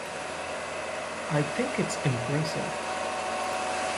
I think it is impressive.